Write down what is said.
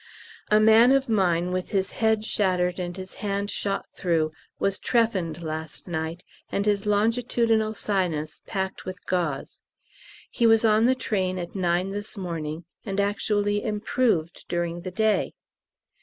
A man of mine with his head shattered and his hand shot through was trephined last night, and his longitudinal sinus packed with gauze. He was on the train at 9 this morning, and actually improved during the day!